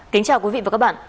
kính chào quý vị và các bạn